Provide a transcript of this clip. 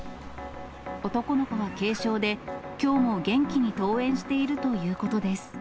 男の子は軽傷で、きょうも元気に登園しているということです。